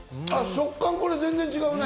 食感全然違うね。